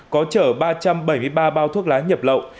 có chở ba trăm bảy mươi ba bao thuốc lá nhập lậu